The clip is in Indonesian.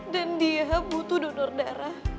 dan dia butuh donor darah